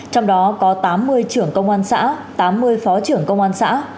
trong đó có tám mươi trưởng công an xã tám mươi phó trưởng công an xã